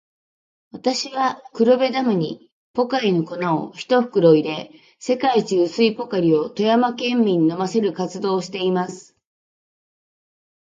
私は、黒部ダムにポカリの粉を一袋入れ、世界一薄いポカリを富山県民に飲ませる活動をしています。